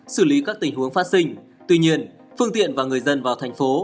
xử lý các tình huống phát sinh tuy nhiên phương tiện và người dân vào thành phố